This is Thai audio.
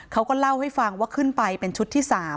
เขาก็เล่าให้ฟังว่าขึ้นไปเป็นชุดที่๓